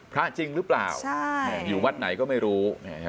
พระจริงหรือเปล่าอยู่วัดไหนก็ไม่รู้